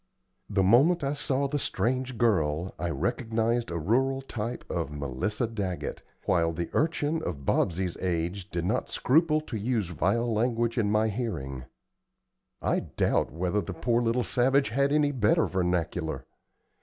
The moment I saw the strange girl, I recognized a rural type of Melissa Daggett, while the urchin of Bobsey's age did not scruple to use vile language in my hearing. I doubt whether the poor little savage had any better vernacular.